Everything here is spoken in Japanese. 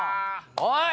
おい！